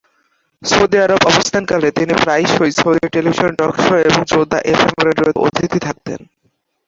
Saudi Arab অবস্থানকালে তিনি প্রায়শই সৌদি টেলিভিশন টক শো এবং জেদ্দা এফএম রেডিওতে অতিথি থাকতেন।